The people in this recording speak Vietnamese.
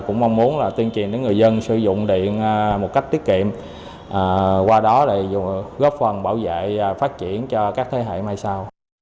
cũng mong muốn tiên triển đến người dân sử dụng điện một cách tiết kiệm qua đó góp phần bảo vệ phát triển cho các thế hệ mai sau